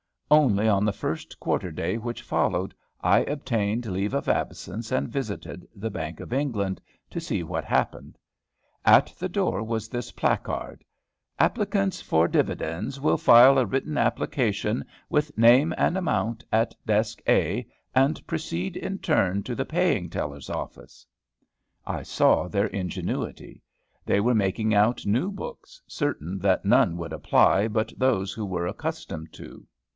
Only on the first quarter day which followed, I obtained leave of absence, and visited the Bank of England, to see what happened. At the door was this placard, "Applicants for dividends will file a written application, with name and amount, at desk A, and proceed in turn to the Paying Teller's Office." I saw their ingenuity. They were making out new books, certain that none would apply but those who were accustomed to.